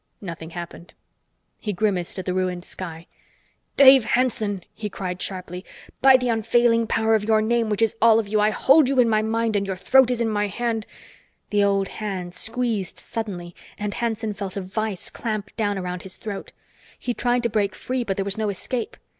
Nothing happened. He grimaced at the ruined sky. "Dave Hanson," he cried sharply, "by the unfailing power of your name which is all of you, I hold you in my mind and your throat is in my hand " The old hands squeezed suddenly, and Hanson felt a vise clamp down around his throat. He tried to break free, but there was no escape.